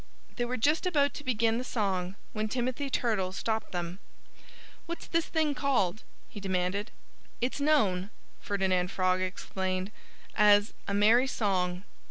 They were just about to begin the song when Timothy Turtle stopped them. "What's this thing called?" he demanded. "It's known," Ferdinand Frog explained, "as 'A Merry Song.'"